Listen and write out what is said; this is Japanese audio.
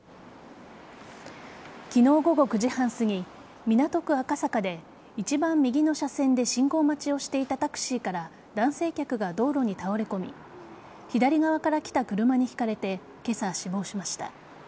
昨日午後９時半すぎ港区赤坂で一番右の車線で信号待ちをしていたタクシーから男性客が道路に倒れ込み左側から来た車にひかれて今朝、死亡しました。